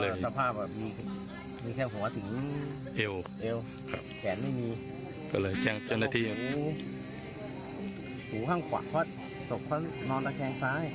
อยู่ฮูขวาเขาสภาพหนอนตะแคงซ้าย